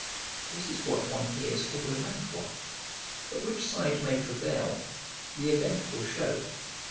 This is what one hears all around one; but which side may prevail, the event will shew.